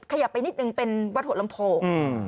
ขยับไปนิดนึงเป็นวัดหัวลำโพง